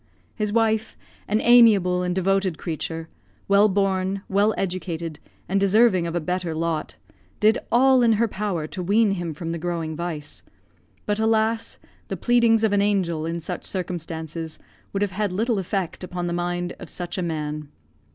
His wife, an amiable and devoted creature, well born, well educated, and deserving of a better lot, did all in her power to wean him from the growing vice. But, alas! the pleadings of an angel, in such circumstances, would have had little effect upon the mind of such a man.